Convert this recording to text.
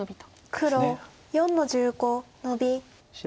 黒４の十五ノビ。